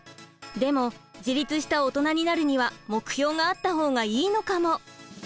でも自立したオトナになるには目標があった方がいいのかも。